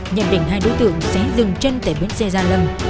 nhận định hai đối tượng sẽ dừng chân tại bến xe gia lâm